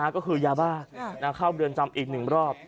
ก็คือยาบ้านข้าวเบือนจำอีกหนึ่งรอบ